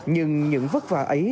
nhưng những vất vả ấy